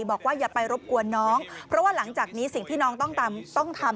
อย่าไปรบกวนน้องเพราะว่าหลังจากนี้สิ่งที่น้องต้องทำ